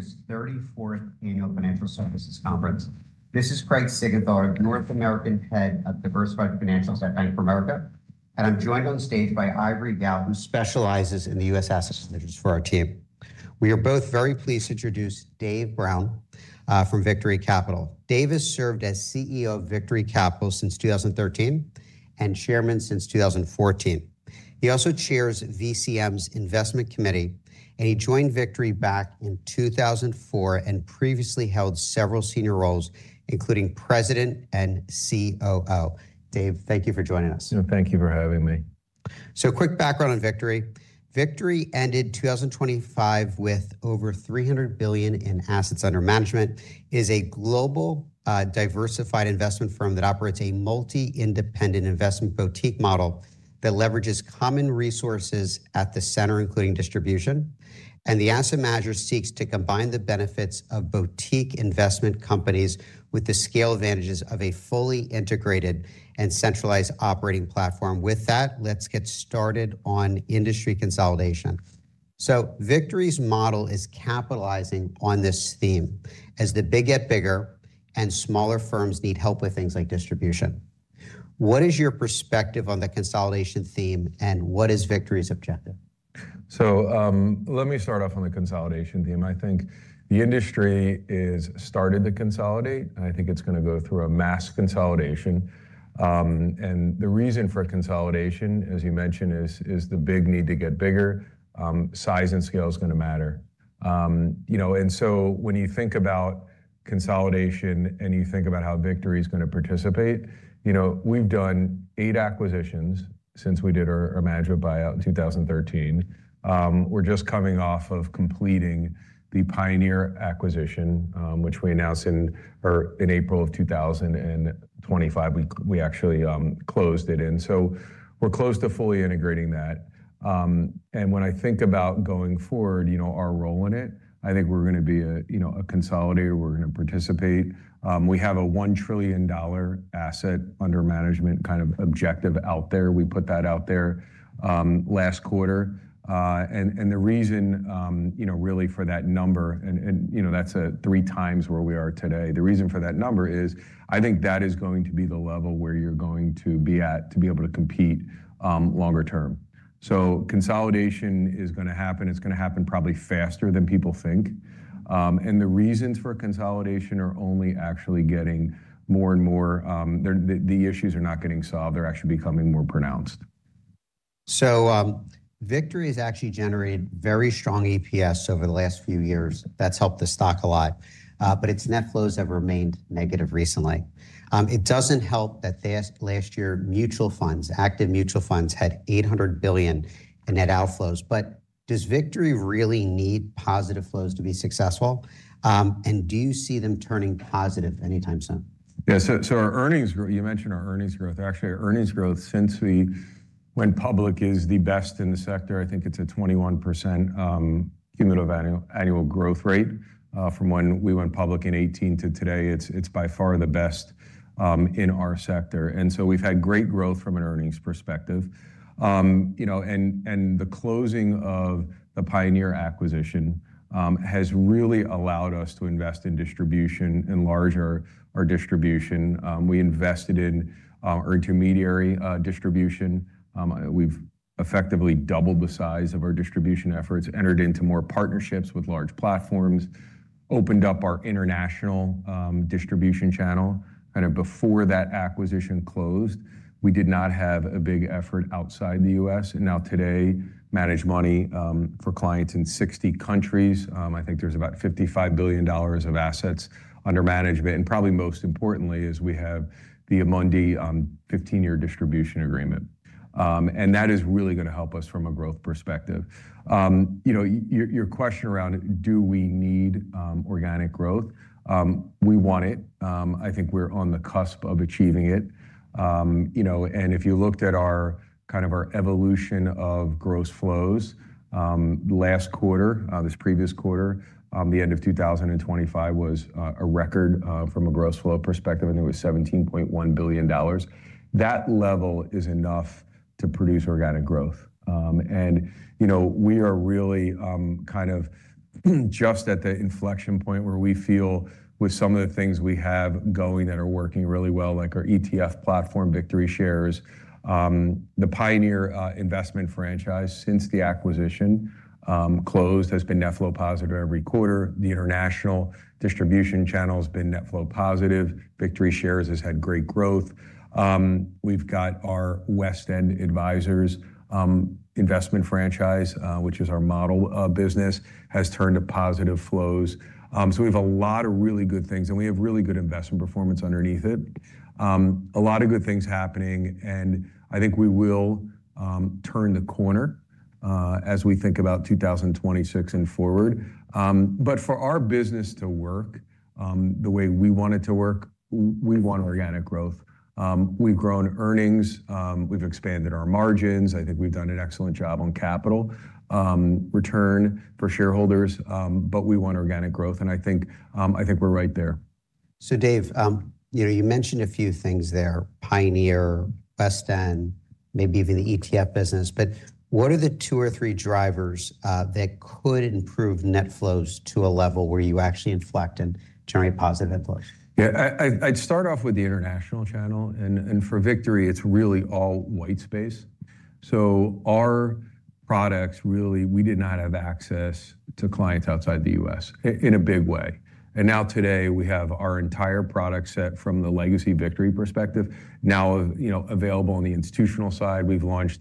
Bank of America's 34th Annual Financial Services Conference. This is Craig Siegenthaler, North American Head of Diversified Financials at Bank of America, and I'm joined on stage by Ivory Gao, who specializes in the U.S. asset strategies for our team. We are both very pleased to introduce Dave Brown from Victory Capital. Dave has served as CEO of Victory Capital since 2013, and Chairman since 2014. He also chairs VCM's Investment Committee, and he joined Victory back in 2004, and previously held several senior roles, including President and COO. Dave, thank you for joining us. Thank you for having me. So quick background on Victory. Victory ended 2025 with over $300 billion in assets under management. It is a global, diversified investment firm that operates a multi-independent investment boutique model that leverages common resources at the center, including distribution, and the asset manager seeks to combine the benefits of boutique investment companies with the scale advantages of a fully integrated and centralized operating platform. With that, let's get started on industry consolidation. So Victory's model is capitalizing on this theme as the big get bigger and smaller firms need help with things like distribution. What is your perspective on the consolidation theme, and what is Victory's objective? Let me start off on the consolidation theme. I think the industry is started to consolidate, and I think it's gonna go through a mass consolidation. And the reason for consolidation, as you mentioned, is the big need to get bigger, size and scale is gonna matter. You know, and so when you think about consolidation and you think about how Victory is gonna participate, you know, we've done eight acquisitions since we did our management buyout in 2013. We're just coming off of completing the Pioneer acquisition, which we announced in April of 2025. We actually closed it, so we're close to fully integrating that. And when I think about going forward, you know, our role in it, I think we're gonna be a consolidator. We're gonna participate. We have a $1 trillion asset under management kind of objective out there. We put that out there last quarter. And the reason you know really for that number and you know that's 3x where we are today. The reason for that number is, I think that is going to be the level where you're going to be at to be able to compete longer term. So consolidation is gonna happen. It's gonna happen probably faster than people think. And the reasons for consolidation are only actually getting more and more the issues are not getting solved. They're actually becoming more pronounced. So, Victory has actually generated very strong EPS over the last few years. That's helped the stock a lot, but its net flows have remained negative recently. It doesn't help that this last year, mutual funds, active mutual funds, had $800 billion in net outflows. But does Victory really need positive flows to be successful? And do you see them turning positive anytime soon? Yeah. So our earnings growth, you mentioned our earnings growth. Actually, our earnings growth since we went public is the best in the sector. I think it's a 21% cumulative annual growth rate from when we went public in 2018 till today. It's by far the best in our sector, and so we've had great growth from an earnings perspective. You know, and the closing of the Pioneer acquisition has really allowed us to invest in distribution, enlarge our distribution. We invested in intermediary distribution. We've effectively doubled the size of our distribution efforts, entered into more partnerships with large platforms, opened up our international distribution channel. Kind of before that acquisition closed, we did not have a big effort outside the U.S., and now today manage money for clients in 60 countries. I think there's about $55 billion of assets under management, and probably most importantly, is we have the Amundi, 15-year distribution agreement. And that is really gonna help us from a growth perspective. You know, your question around, do we need, organic growth? We want it. I think we're on the cusp of achieving it. You know, and if you looked at our, kind of our evolution of gross flows, last quarter, this previous quarter, the end of 2025 was, a record, from a gross flow perspective, and it was $17.1 billion. That level is enough to produce organic growth. You know, we are really kind of just at the inflection point where we feel with some of the things we have going that are working really well, like our ETF platform, VictoryShares. The Pioneer investment franchise, since the acquisition closed, has been net flow positive every quarter. The international distribution channel has been net flow positive. VictoryShares has had great growth. We've got our West End Advisors investment franchise, which is our model business, has turned to positive flows. So we have a lot of really good things, and we have really good investment performance underneath it. A lot of good things happening, and I think we will turn the corner, as we think about 2026 and forward. But for our business to work, the way we want it to work, we want organic growth. We've grown earnings, we've expanded our margins. I think we've done an excellent job on capital return for shareholders, but we want organic growth, and I think, I think we're right there. So Dave, you know, you mentioned a few things there, Pioneer, West End, maybe even the ETF business, but what are the two or three drivers that could improve net flows to a level where you actually inflect and generate positive inflows? Yeah, I'd start off with the international channel, and for Victory, it's really all white space. So our products, really, we did not have access to clients outside the U.S. in a big way. And now today, we have our entire product set from the legacy Victory perspective now, you know, available on the institutional side. We've launched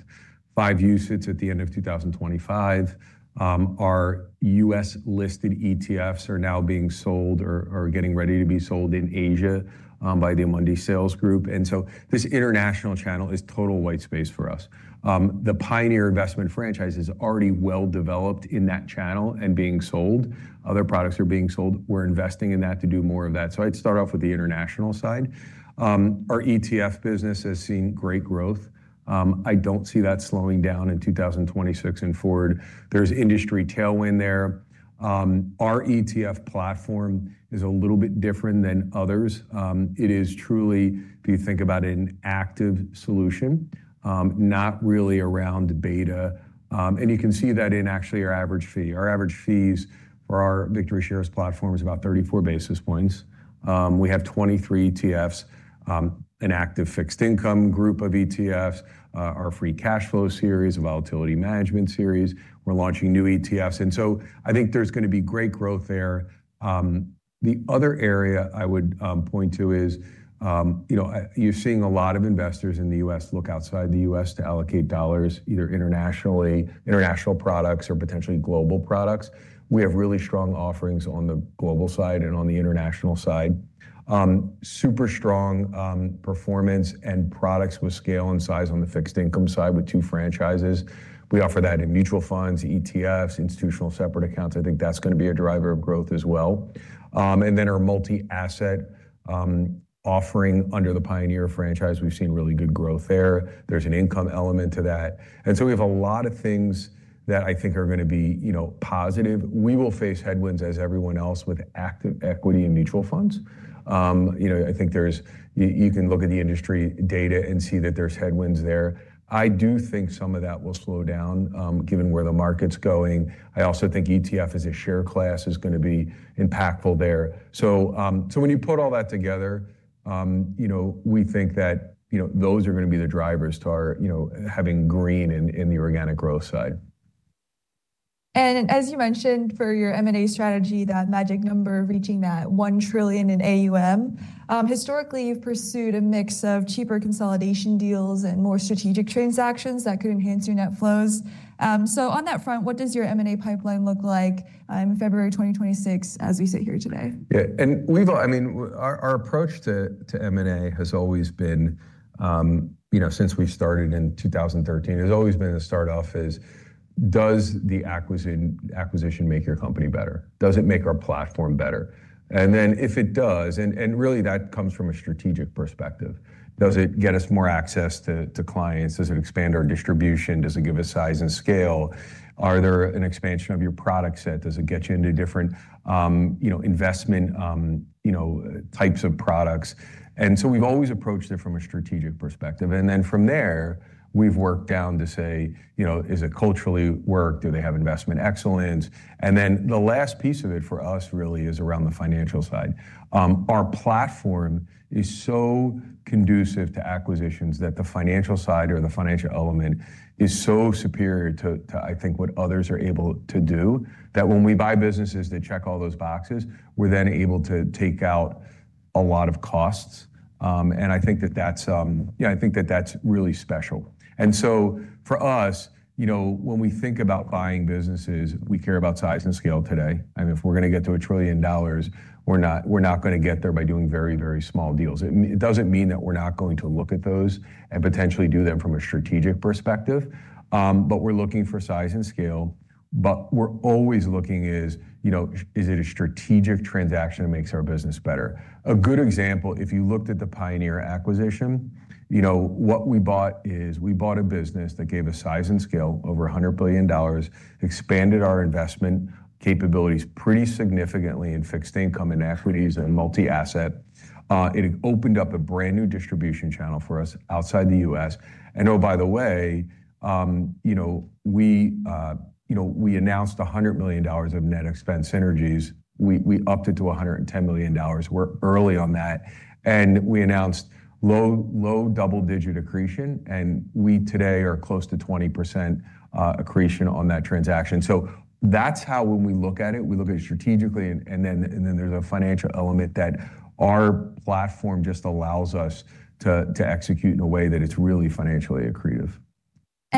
five UCITS at the end of 2025. Our U.S.-listed ETFs are now being sold or getting ready to be sold in Asia by the Amundi sales group. And so this international channel is total white space for us. The Pioneer Investments franchise is already well-developed in that channel and being sold. Other products are being sold. We're investing in that to do more of that. So I'd start off with the international side. Our ETF business has seen great growth. I don't see that slowing down in 2026 and forward. There's industry tailwind there. Our ETF platform is a little bit different than others. It is truly, if you think about it, an active solution, not really around beta. And you can see that in actually our average fee. Our average fees for our VictoryShares platform is about 34 basis points. We have 23 ETFs, an active fixed income group of ETFs, our free cash flow series, a volatility management series. We're launching new ETFs, and so I think there's gonna be great growth there. The other area I would point to is, you know, you're seeing a lot of investors in the U.S. look outside the U.S. to allocate dollars, either international products or potentially global products. We have really strong offerings on the global side and on the international side. Super strong performance and products with scale and size on the fixed income side with two franchises. We offer that in mutual funds, ETFs, institutional separate accounts. I think that's gonna be a driver of growth as well. And then our multi-asset offering under the Pioneer franchise, we've seen really good growth there. There's an income element to that. And so we have a lot of things that I think are gonna be, you know, positive. We will face headwinds as everyone else with active equity and mutual funds. You know, I think there's, you can look at the industry data and see that there's headwinds there. I do think some of that will slow down, given where the market's going. I also think ETF as a share class is gonna be impactful there. So, when you put all that together, you know, we think that, you know, those are gonna be the drivers to our, you know, having green in the organic growth side. As you mentioned, for your M&A strategy, that magic number of reaching that $1 trillion in AUM, historically, you've pursued a mix of cheaper consolidation deals and more strategic transactions that could enhance your net flows. So on that front, what does your M&A pipeline look like, in February 2026, as we sit here today? Yeah, and we've I mean, our approach to M&A has always been, you know, since we've started in 2013, has always been to start off as, does the acquisition make your company better? Does it make our platform better? And then, if it does and really, that comes from a strategic perspective. Does it get us more access to clients? Does it expand our distribution? Does it give us size and scale? Are there an expansion of your product set? Does it get you into different, you know, investment, you know, types of products? And so we've always approached it from a strategic perspective, and then from there, we've worked down to say, you know, does it culturally work? Do they have investment excellence? Then, the last piece of it for us really is around the financial side. Our platform is so conducive to acquisitions that the financial side or the financial element is so superior to, I think, what others are able to do, that when we buy businesses that check all those boxes, we're then able to take out a lot of costs. I think that that's, yeah, I think that that's really special. So for us, you know, when we think about buying businesses, we care about size and scale today, and if we're gonna get to $1 trillion, we're not, we're not gonna get there by doing very, very small deals. It doesn't mean that we're not going to look at those and potentially do them from a strategic perspective, but we're looking for size and scale, but we're always looking is, you know, is it a strategic transaction that makes our business better? A good example, if you looked at the Pioneer acquisition, you know, what we bought is, we bought a business that gave us size and scale, over $100 billion, expanded our investment capabilities pretty significantly in fixed income and equities and multi-asset. It opened up a brand-new distribution channel for us outside the U.S. And oh, by the way, you know, we announced $100 million of net expense synergies. We upped it to $110 million. We're early on that, and we announced low, low double-digit accretion, and we today are close to 20% accretion on that transaction. So that's how when we look at it, we look at it strategically, and then there's a financial element that our platform just allows us to execute in a way that it's really financially accretive.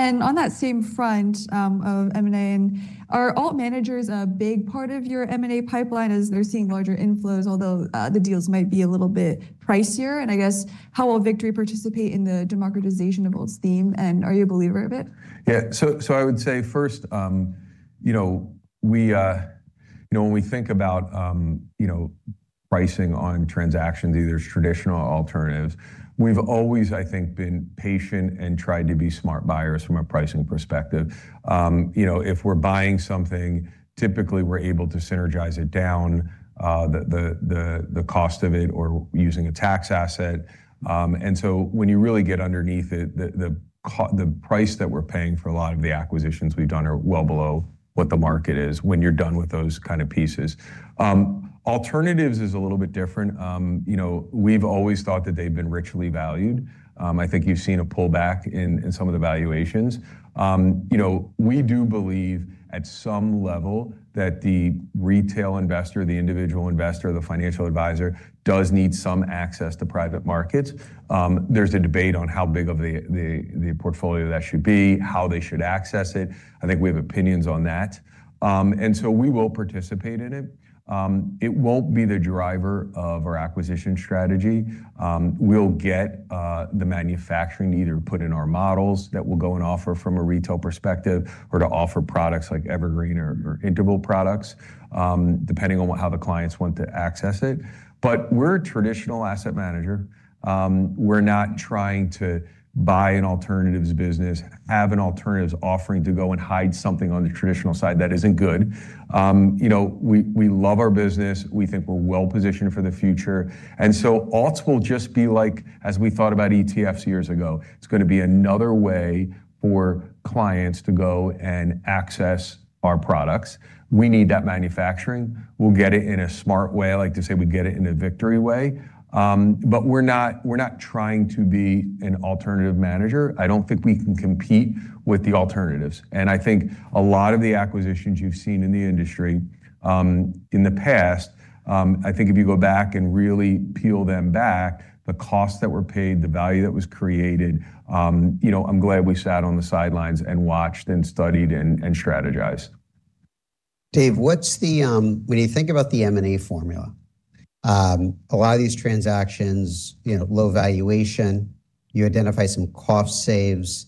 And on that same front of M&A, are alt managers a big part of your M&A pipeline as they're seeing larger inflows, although the deals might be a little bit pricier? And I guess, how will Victory participate in the democratization of alts theme, and are you a believer of it? Yeah, so, so I would say first, you know, we, you know, when we think about, pricing on transactions, either it's traditional or alternatives. We've always, I think, been patient and tried to be smart buyers from a pricing perspective. You know, if we're buying something, typically we're able to synergize it down, the cost of it or using a tax asset. And so when you really get underneath it, the price that we're paying for a lot of the acquisitions we've done are well below what the market is when you're done with those kind of pieces. Alternatives is a little bit different. You know, we've always thought that they've been richly valued. I think you've seen a pullback in some of the valuations. You know, we do believe at some level that the retail investor, the individual investor, the financial advisor, does need some access to private markets. There's a debate on how big of the portfolio that should be, how they should access it. I think we have opinions on that. And so we will participate in it. It won't be the driver of our acquisition strategy. We'll get the manufacturing either put in our models that we'll go and offer from a retail perspective, or to offer products like evergreen or interval products, depending on how the clients want to access it. But we're a traditional asset manager. We're not trying to buy an alternatives business, have an alternatives offering to go and hide something on the traditional side that isn't good. You know, we love our business, we think we're well-positioned for the future, and so alts will just be like as we thought about ETFs years ago. It's gonna be another way for clients to go and access our products. We need that manufacturing. We'll get it in a smart way. I like to say we get it in a Victory way. But we're not trying to be an alternative manager. I don't think we can compete with the alternatives. And I think a lot of the acquisitions you've seen in the industry, in the past, I think if you go back and really peel them back, the costs that were paid, the value that was created, you know, I'm glad we sat on the sidelines and watched and studied and strategized. Dave, what's the M&A formula? When you think about the M&A formula, a lot of these transactions, you know, low valuation, you identify some cost saves,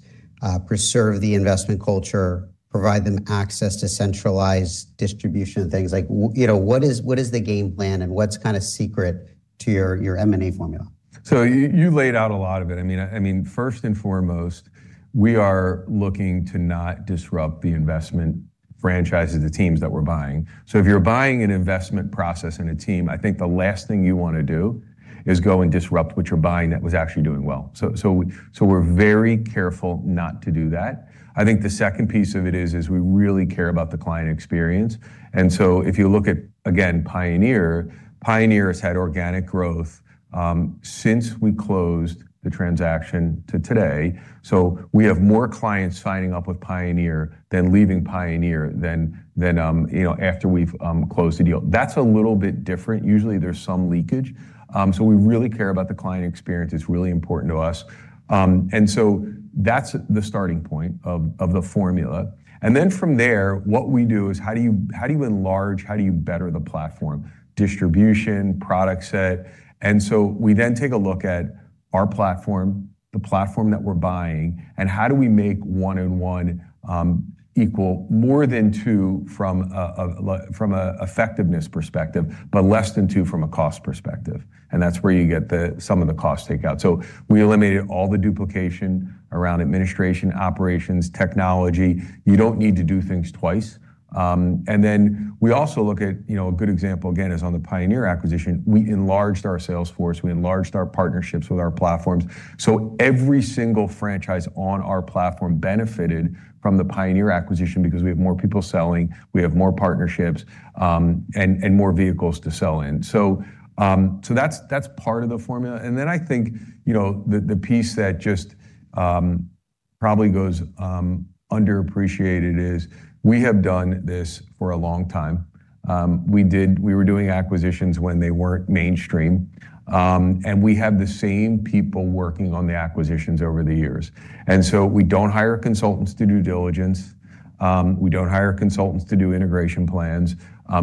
preserve the investment culture, provide them access to centralized distribution and things like, you know, what is the game plan and what's kind of secret to your M&A formula? So you laid out a lot of it. I mean, first and foremost, we are looking to not disrupt the investment franchises, the teams that we're buying. So if you're buying an investment process and a team, I think the last thing you wanna do is go and disrupt what you're buying that was actually doing well. So we're very careful not to do that. I think the second piece of it is we really care about the client experience, and so if you look at, again, Pioneer, Pioneer has had organic growth since we closed the transaction to today. So we have more clients signing up with Pioneer than leaving Pioneer, you know, after we've closed the deal. That's a little bit different. Usually, there's some leakage. So we really care about the client experience. It's really important to us. That's the starting point of the formula. Then from there, what we do is, how do you enlarge, how do you better the platform? Distribution, product set. We then take a look at our platform, the platform that we're buying, and how do we make one and one equal more than two from a well, from a effectiveness perspective, but less than two from a cost perspective, and that's where you get some of the cost takeout. We eliminated all the duplication around administration, operations, technology. You don't need to do things twice. We also look at, you know, a good example, again, is on the Pioneer acquisition, we enlarged our sales force, we enlarged our partnerships with our platforms. So every single franchise on our platform benefited from the Pioneer acquisition because we have more people selling, we have more partnerships, and more vehicles to sell in. So that's part of the formula. And then I think, you know, the piece that just probably goes underappreciated is, we have done this for a long time. We were doing acquisitions when they weren't mainstream, and we have the same people working on the acquisitions over the years. And so we don't hire consultants to do diligence, we don't hire consultants to do integration plans.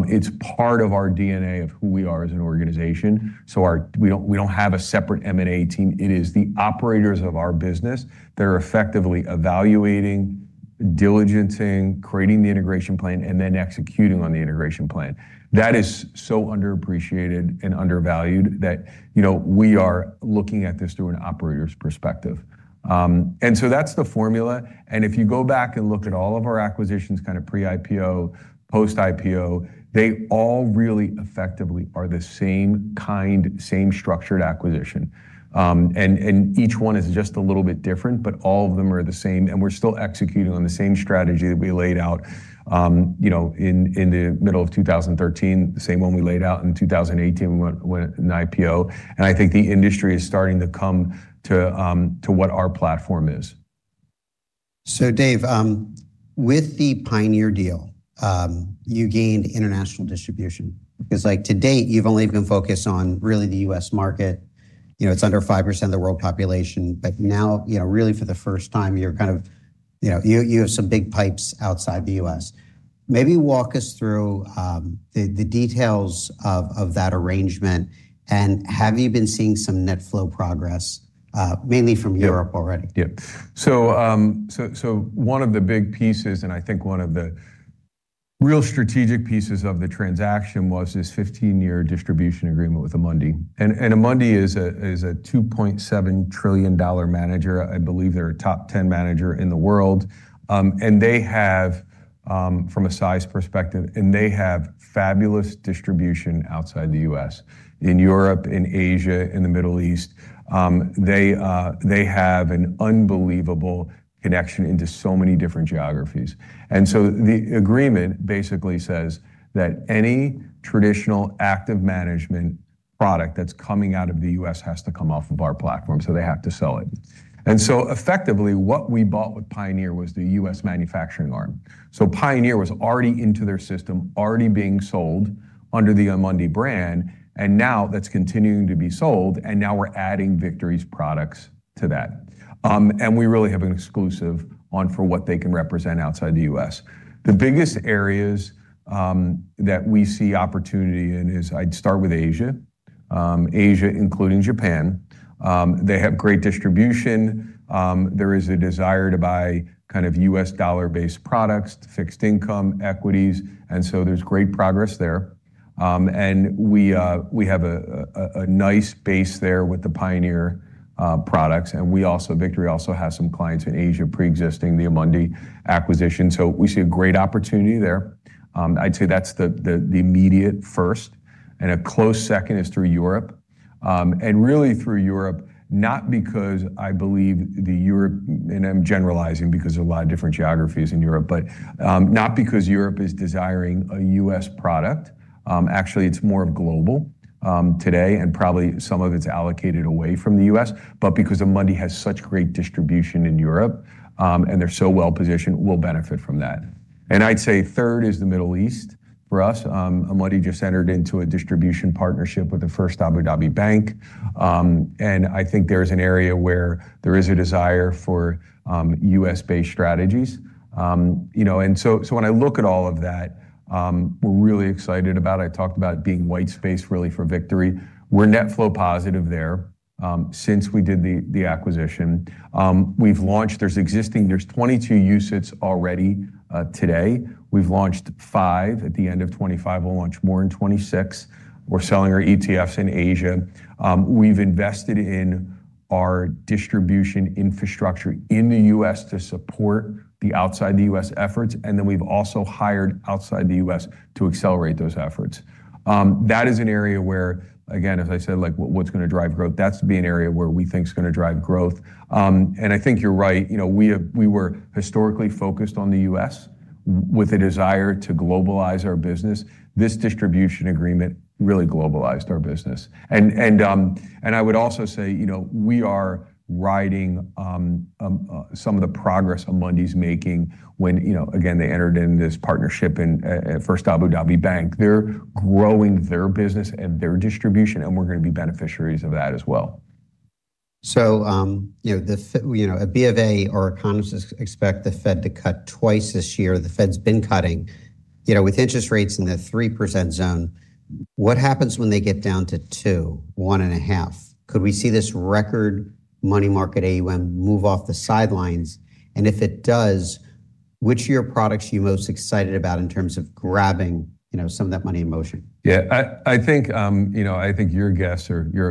It's part of our DNA of who we are as an organization, so we don't have a separate M&A team. It is the operators of our business that are effectively evaluating, diligencing, creating the integration plan, and then executing on the integration plan. That is so underappreciated and undervalued that, you know, we are looking at this through an operator's perspective. And so that's the formula, and if you go back and look at all of our acquisitions, kind of pre-IPO, post-IPO, they all really effectively are the same kind, same structured acquisition. And each one is just a little bit different, but all of them are the same, and we're still executing on the same strategy that we laid out, you know, in the middle of 2013, the same one we laid out in 2018 when we went in IPO. And I think the industry is starting to come to what our platform is. So Dave, with the Pioneer deal, you gained international distribution, because, like, to date, you've only been focused on really the U.S. market. You know, it's under 5% of the world population, but now, you know, really for the first time, you're kind of, you know, you have some big pipes outside the U.S. Maybe walk us through the details of that arrangement and have you been seeing some net flow progress, mainly from Europe already? Yeah. Yep. So, one of the big pieces, and I think one of the real strategic pieces of the transaction, was this 15-year distribution agreement with Amundi. And Amundi is a $2.7 trillion manager. I believe they're a top 10 manager in the world. And they have, from a size perspective, fabulous distribution outside the U.S., in Europe, in Asia, in the Middle East. They have an unbelievable connection into so many different geographies. And so the agreement basically says that any traditional active management product that's coming out of the U.S. has to come off of our platform, so they have to sell it. And so effectively, what we bought with Pioneer was the U.S. manufacturing arm. Pioneer was already into their system, already being sold under the Amundi brand, and now that's continuing to be sold, and now we're adding Victory's products to that. We really have an exclusive on for what they can represent outside the U.S. The biggest areas that we see opportunity in is, I'd start with Asia. Asia, including Japan. They have great distribution. There is a desire to buy kind of U.S. dollar-based products, fixed income, equities, and so there's great progress there. We have a nice base there with the Pioneer products, Victory also has some clients in Asia preexisting the Amundi acquisition, so we see a great opportunity there. I'd say that's the immediate first, and a close second is through Europe. And really through Europe, not because I believe Europe—and I'm generalizing because there are a lot of different geographies in Europe, but, not because Europe is desiring a U.S. product. Actually, it's more of global today, and probably some of it's allocated away from the U.S., but because Amundi has such great distribution in Europe, and they're so well-positioned, we'll benefit from that. And I'd say third is the Middle East for us. Amundi just entered into a distribution partnership with the First Abu Dhabi Bank. And I think there's an area where there is a desire for U.S.-based strategies. You know, and so, so when I look at all of that, we're really excited about it. I talked about it being white space, really, for Victory. We're net flow positive there since we did the acquisition. We've launched. There's 22 UCITS already today. We've launched five at the end of 2025. We'll launch more in 2026. We're selling our ETFs in Asia. We've invested in our distribution infrastructure in the U.S. to support the outside the U.S. efforts, and then we've also hired outside the U.S. to accelerate those efforts. That is an area where, again, as I said, like, what's gonna drive growth, that's to be an area where we think is gonna drive growth. And I think you're right, you know, we were historically focused on the U.S. with a desire to globalize our business. This distribution agreement really globalized our business. And I would also say, you know, we are riding some of the progress Amundi's making when, you know, again, they entered into this partnership in First Abu Dhabi Bank. They're growing their business and their distribution, and we're gonna be beneficiaries of that as well. You know, the Fed, you know, at BofA, our economists expect the Fed to cut twice this year. The Fed's been cutting. You know, with interest rates in the 3% zone, what happens when they get down to 2%, 1.5%? Could we see this record money market AUM move off the sidelines? And if it does, which of your products are you most excited about in terms of grabbing, you know, some of that money in motion? Yeah, I think you know, I think your guess or your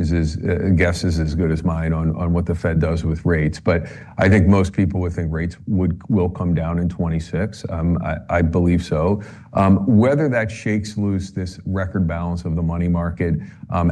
economist's guess is as good as mine on what the Fed does with rates. But I think most people would think rates will come down in 2026. I believe so. Whether that shakes loose this record balance of the money market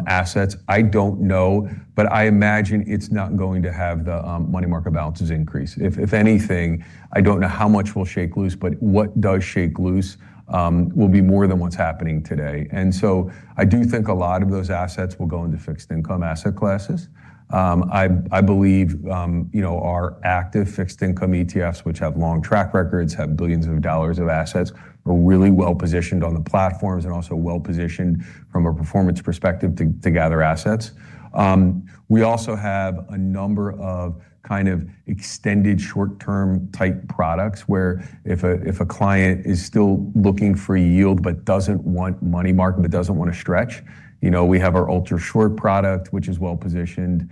assets, I don't know, but I imagine it's not going to have the money market balances increase. If anything, I don't know how much will shake loose, but what does shake loose will be more than what's happening today. And so I do think a lot of those assets will go into fixed income asset classes. I believe, you know, our active fixed income ETFs, which have long track records, have $ billions of assets, are really well-positioned on the platforms and also well-positioned from a performance perspective to gather assets. We also have a number of kind of extended short-term type products, where if a client is still looking for yield but doesn't want money market, but doesn't wanna stretch, you know, we have our ultra-short product, which is well-positioned.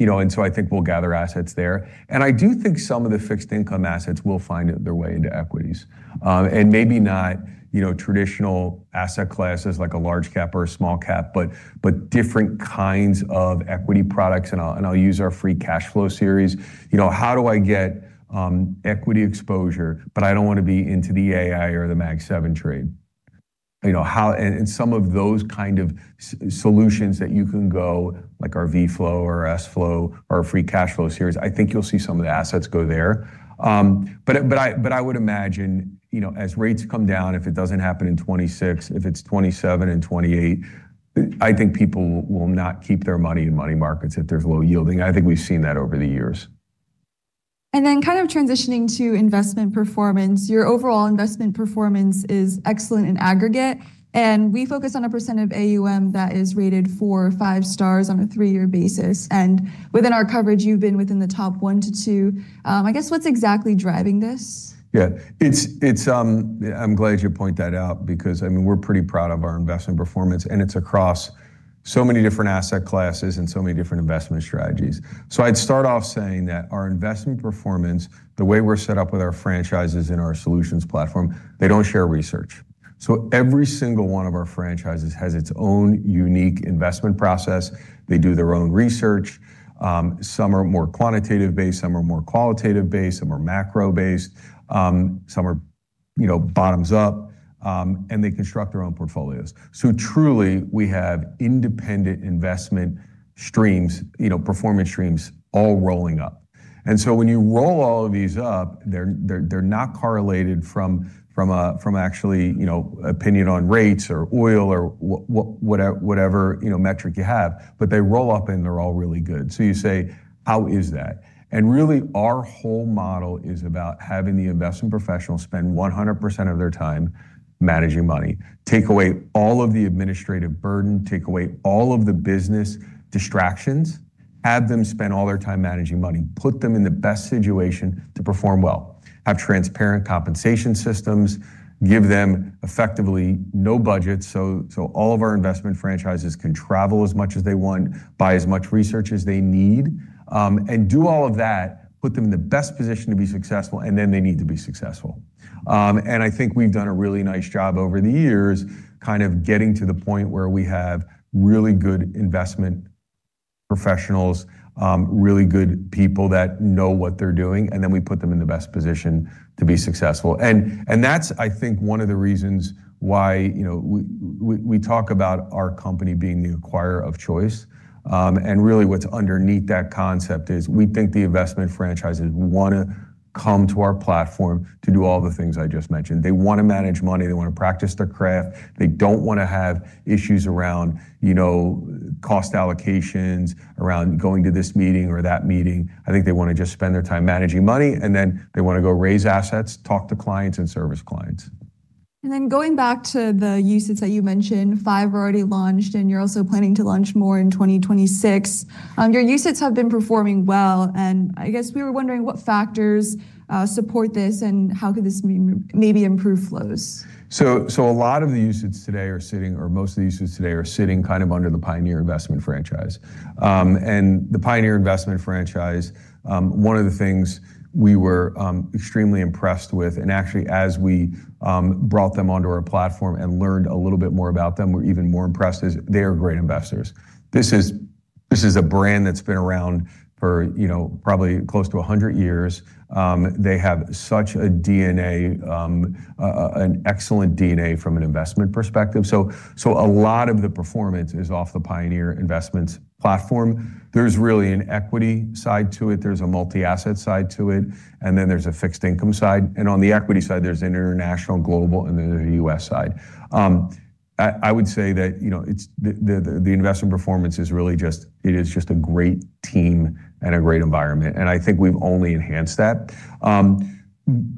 You know, and so I think we'll gather assets there. I do think some of the fixed income assets will find their way into equities. And maybe not, you know, traditional asset classes like a large cap or a small cap, but different kinds of equity products, and I'll use our free cash flow series. You know, how do I get equity exposure, but I don't want to be into the AI or the Mag Seven trade? You know, how and some of those kind of solutions that you can go, like our VFLO or SFLO or our free cash flow series, I think you'll see some of the assets go there. But I would imagine, you know, as rates come down, if it doesn't happen in 2026, if it's 2027 and 2028, I think people will not keep their money in money market if there's low yielding. I think we've seen that over the years. Then kind of transitioning to investment performance, your overall investment performance is excellent in aggregate, and we focus on a percent of AUM that is rated four or five stars on a three-year basis. Within our coverage, you've been within the top one to two. I guess, what's exactly driving this? Yeah, it's, I'm glad you point that out because, I mean, we're pretty proud of our investment performance, and it's across so many different asset classes and so many different investment strategies. So I'd start off saying that our investment performance, the way we're set up with our franchises and our solutions platform, they don't share research. So every single one of our franchises has its own unique investment process. They do their own research. Some are more quantitative-based, some are more qualitative-based, some are macro-based, some are, you know, bottoms up, and they construct their own portfolios. So truly, we have independent investment streams, you know, performance streams all rolling up. And so when you roll all of these up, they're not correlated from a actually, you know, opinion on rates or oil or whatever, you know, metric you have, but they roll up, and they're all really good. So you say: How is that? And really, our whole model is about having the investment professionals spend 100% of their time managing money, take away all of the administrative burden, take away all of the business distractions, have them spend all their time managing money, put them in the best situation to perform well, have transparent compensation systems, give them effectively no budget, so all of our investment franchises can travel as much as they want, buy as much research as they need. And do all of that, put them in the best position to be successful, and then they need to be successful. And I think we've done a really nice job over the years, kind of getting to the point where we have really good investment professionals, really good people that know what they're doing, and then we put them in the best position to be successful. And that's, I think, one of the reasons why, you know, we, we talk about our company being the acquirer of choice. And really, what's underneath that concept is we think the investment franchises wanna come to our platform to do all the things I just mentioned. They wanna manage money. They wanna practice their craft. They don't wanna have issues around, you know, cost allocations, around going to this meeting or that meeting. I think they wanna just spend their time managing money, and then they wanna go raise assets, talk to clients, and service clients. Going back to the UCITS that you mentioned, five were already launched, and you're also planning to launch more in 2026. Your UCITS have been performing well, and I guess we were wondering what factors support this, and how could this maybe improve flows? So a lot of the UCITS today are sitting, or most of the UCITS today are sitting kind of under the Pioneer Investments franchise. And the Pioneer Investments franchise, one of the things we were extremely impressed with, and actually, as we brought them onto our platform and learned a little bit more about them, we're even more impressed, is they are great investors. This is a brand that's been around for, you know, probably close to 100 years. They have such a DNA, an excellent DNA from an investment perspective. So a lot of the performance is off the Pioneer Investments platform. There's really an equity side to it, there's a multi-asset side to it, and then there's a fixed income side. And on the equity side, there's an international, global, and then a US side. I would say that, you know, it's the investment performance is really just—it is just a great team and a great environment, and I think we've only enhanced that.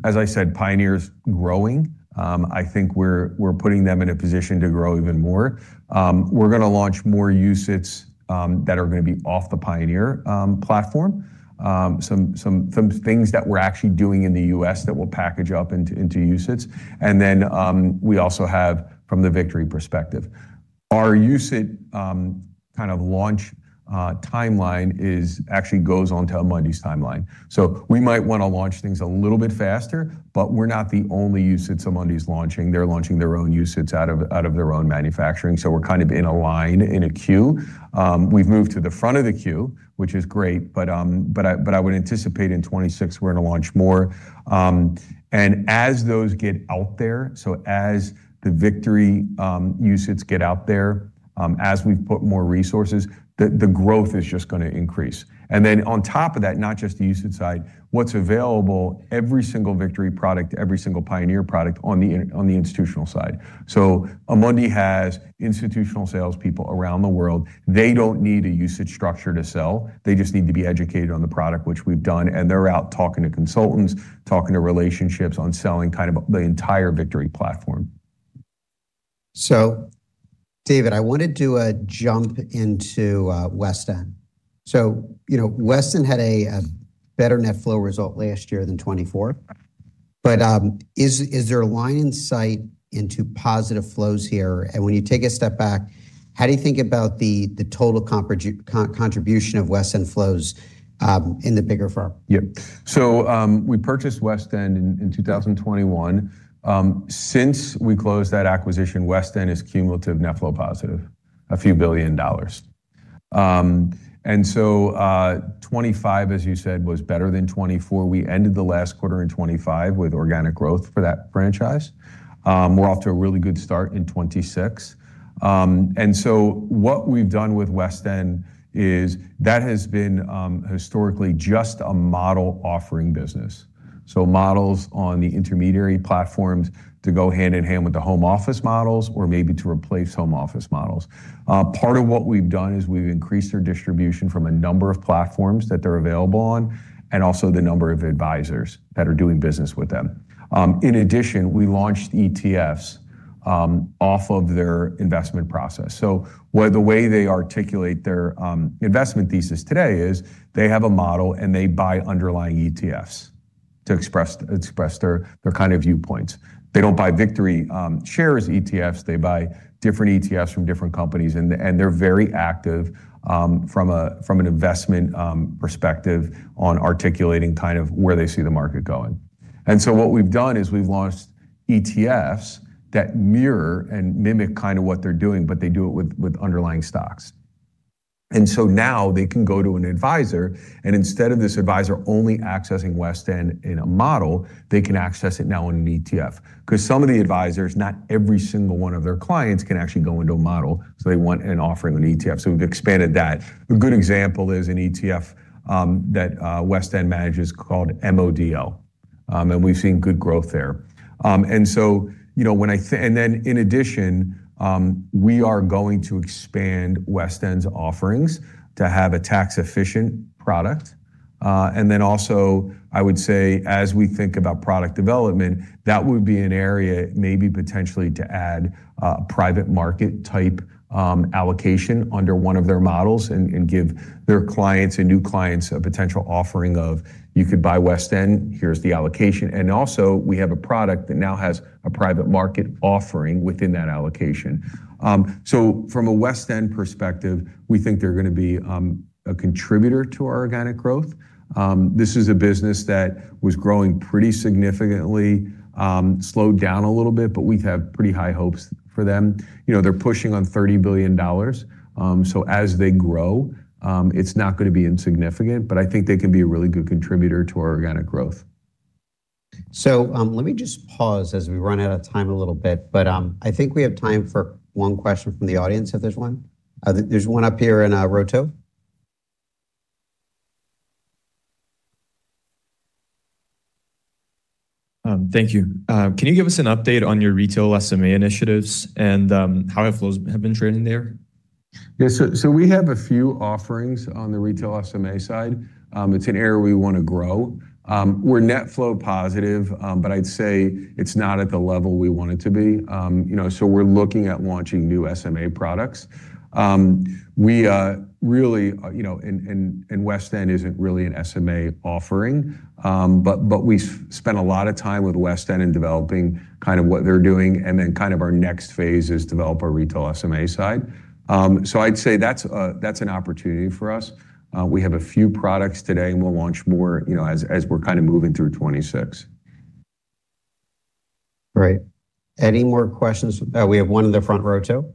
As I said, Pioneer's growing. I think we're putting them in a position to grow even more. We're gonna launch more UCITS that are gonna be off the Pioneer platform. Some things that we're actually doing in the U.S. that we'll package up into UCITS, and then we also have from the Victory perspective. Our UCITS kind of launch timeline is—actually goes onto Amundi's timeline. So we might wanna launch things a little bit faster, but we're not the only UCITS Amundi's launching. They're launching their own UCITS out of their own manufacturing, so we're kind of in a line, in a queue. We've moved to the front of the queue, which is great, but I would anticipate in 2026 we're gonna launch more. And as those get out there, so as the Victory UCITS get out there, as we've put more resources, the growth is just gonna increase. And then on top of that, not just the UCITS side, what's available, every single Victory product, every single Pioneer product on the institutional side. So Amundi has institutional salespeople around the world. They don't need a UCITS structure to sell. They just need to be educated on the product, which we've done, and they're out talking to consultants, talking to relationships on selling kind of the entire Victory platform. So, Dave, I wanted to jump into West End. So, you know, West End had a better net flow result last year than 2024, but is there a line of sight into positive flows here? And when you take a step back, how do you think about the total contribution of West End flows in the bigger firm? Yep. So, we purchased West End in 2021. Since we closed that acquisition, West End is cumulative net flow positive, a few billion dollars. And so, 2025, as you said, was better than 2024. We ended the last quarter in 2025 with organic growth for that franchise. We're off to a really good start in 2026. And so what we've done with West End is that has been historically just a model offering business. So models on the intermediary platforms to go hand in hand with the home office models or maybe to replace home office models. Part of what we've done is we've increased their distribution from a number of platforms that they're available on, and also the number of advisors that are doing business with them. In addition, we launched ETFs off of their investment process. So where the way they articulate their investment thesis today is they have a model, and they buy underlying ETFs to express their kind of viewpoints. They don't buy VictoryShares ETFs, they buy different ETFs from different companies, and they're very active from an investment perspective on articulating kind of where they see the market going. And so what we've done is we've launched ETFs that mirror and mimic kind of what they're doing, but they do it with underlying stocks. And so now they can go to an advisor, and instead of this advisor only accessing West End in a model, they can access it now in an ETF. 'Cause some of the advisors, not every single one of their clients can actually go into a model, so they want an offering on ETF, so we've expanded that. A good example is an ETF that West End manages called MODL, and we've seen good growth there. And so, you know, and then in addition, we are going to expand West End's offerings to have a tax-efficient product. And then also, I would say, as we think about product development, that would be an area maybe potentially to add a private market-type allocation under one of their models and give their clients and new clients a potential offering of: you could buy West End, here's the allocation, and also we have a product that now has a private market offering within that allocation. So from a West End perspective, we think they're gonna be a contributor to our organic growth. This is a business that was growing pretty significantly, slowed down a little bit, but we have pretty high hopes for them. You know, they're pushing on $30 billion. So as they grow, it's not gonna be insignificant, but I think they can be a really good contributor to our organic growth. So, let me just pause as we run out of time a little bit, but, I think we have time for one question from the audience, if there's one. There's one up here in, row two. Thank you. Can you give us an update on your retail SMA initiatives and how flows have been trending there? Yeah. So we have a few offerings on the retail SMA side. It's an area we want to grow. We're net flow positive, but I'd say it's not at the level we want it to be. You know, so we're looking at launching new SMA products. We are really, you know, and West End isn't really an SMA offering, but we spent a lot of time with West End in developing kind of what they're doing, and then kind of our next phase is develop our retail SMA side. So I'd say that's an opportunity for us. We have a few products today, and we'll launch more, you know, as we're kind of moving through 2026. Great. Any more questions? We have one in the front row, too.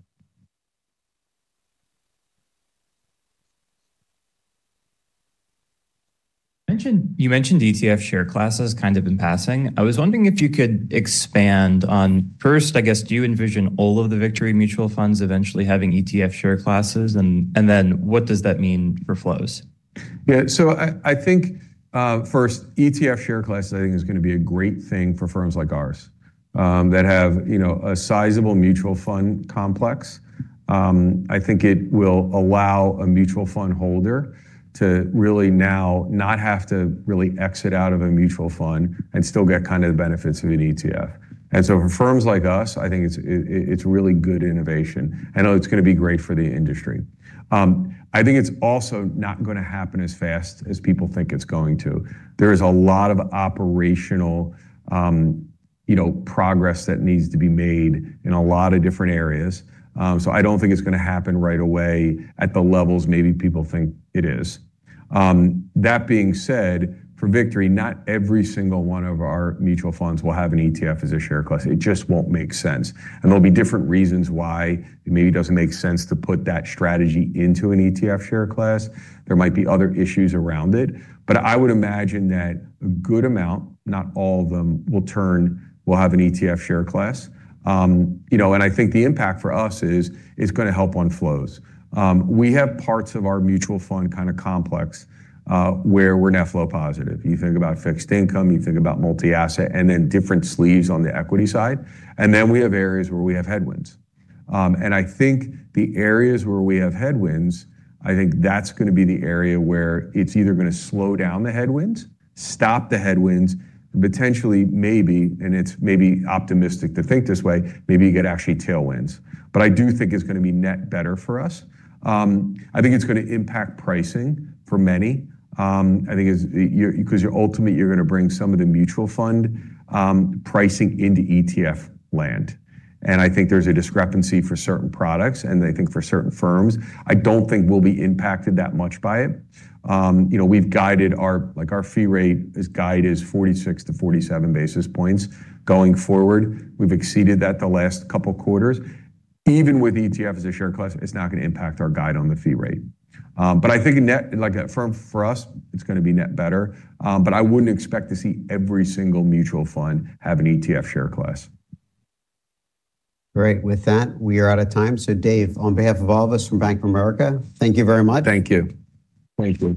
You mentioned, you mentioned ETF share classes kind of in passing. I was wondering if you could expand on... First, I guess, do you envision all of the Victory mutual funds eventually having ETF share classes? And, and then what does that mean for flows? Yeah. So I think first, ETF share classes, I think, is gonna be a great thing for firms like ours that have, you know, a sizable mutual fund complex. I think it will allow a mutual fund holder to really now not have to really exit out of a mutual fund and still get kind of the benefits of an ETF. And so for firms like us, I think it's really good innovation, and it's gonna be great for the industry. I think it's also not gonna happen as fast as people think it's going to. There is a lot of operational, you know, progress that needs to be made in a lot of different areas. So I don't think it's gonna happen right away at the levels maybe people think it is. That being said, for Victory, not every single one of our mutual funds will have an ETF as a share class. It just won't make sense, and there'll be different reasons why it maybe doesn't make sense to put that strategy into an ETF share class. There might be other issues around it. But I would imagine that a good amount, not all of them, will have an ETF share class. You know, and I think the impact for us is it's gonna help on flows. We have parts of our mutual fund kind of complex where we're net flow positive. You think about fixed income, you think about multi-asset, and then different sleeves on the equity side, and then we have areas where we have headwinds. And I think the areas where we have headwinds, I think that's gonna be the area where it's either gonna slow down the headwinds, stop the headwinds, potentially, maybe, and it's maybe optimistic to think this way, maybe you get actually tailwinds. But I do think it's gonna be net better for us. I think it's gonna impact pricing for many. I think it's, 'cause ultimately, you're gonna bring some of the mutual fund pricing into ETF land, and I think there's a discrepancy for certain products, and I think for certain firms. I don't think we'll be impacted that much by it. You know, we've guided our—like, our fee rate, this guide is 46-47 basis points going forward. We've exceeded that the last couple of quarters. Even with ETF as a share class, it's not gonna impact our guide on the fee rate. But I think net, like a firm, for us, it's gonna be net better, but I wouldn't expect to see every single mutual fund have an ETF share class. Great. With that, we are out of time. So, Dave, on behalf of all of us from Bank of America, thank you very much. Thank you. Thank you.